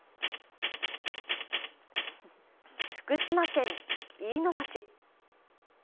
福島県飯野町。